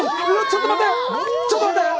ちょっと待って！